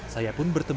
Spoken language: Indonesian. saya pun bertemu